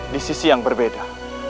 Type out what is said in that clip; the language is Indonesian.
di sisi yang berbeda